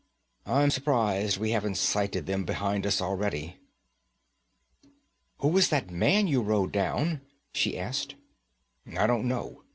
I'm surprized we haven't sighted them behind us already.' 'Who was that man you rode down?' she asked. 'I don't know.